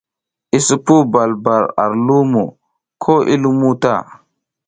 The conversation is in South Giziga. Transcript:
I sipuw bal bal ar lumo ko i lumuw ta.